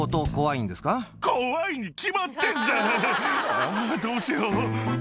あぁどうしよう。